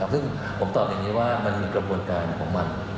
ซึ่งผมตอบอย่างนี้ว่ามันมีกระบวนการของมัน